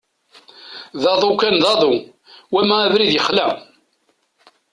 D aḍu kan d aḍu, wama abrid yexla.